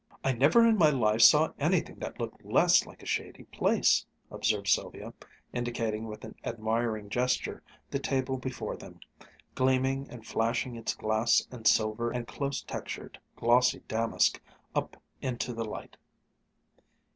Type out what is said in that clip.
"I never in my life saw anything that looked less like a shady place," observed Sylvia, indicating with an admiring gesture the table before them, gleaming and flashing its glass and silver and close textured, glossy damask up into the light.